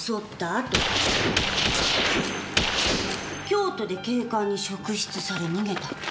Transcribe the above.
京都で警官に職質され逃げた。